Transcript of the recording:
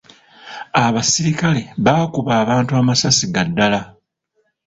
Abaserikale baakuba abantu amasasi ga ddaala.